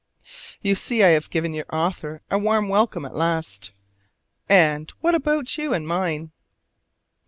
You see I have given your author a warm welcome at last: and what about you and mine?